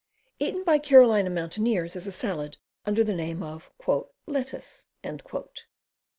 Eaten by Carolina mountaineers as a salad, under the name of "lettuce."